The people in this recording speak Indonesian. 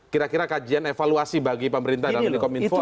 kira kira kajian evaluasi bagi pemerintah dalam dekom info apa